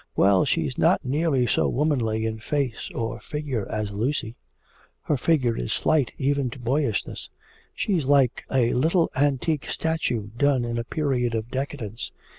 Well, she's not nearly so womanly in face or figure as Lucy. Her figure is slight even to boyishness. She's like a little antique statue done in a period of decadence.